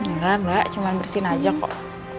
nggak mbak cuma bersihin aja kok